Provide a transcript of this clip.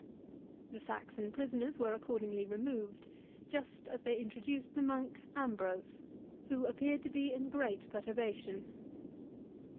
The Saxon prisoners were accordingly removed, just as they introduced the monk Ambrose, who appeared to be in great perturbation.